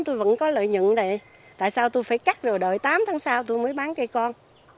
tôi vẫn có lợi nhận này tại sao tôi phải cắt rồi đợi tám tháng sau tôi mới bán cây con